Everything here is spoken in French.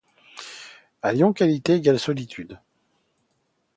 À Lyon qualité = solitude.